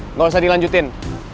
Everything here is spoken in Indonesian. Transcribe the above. nggak usah dilanjutin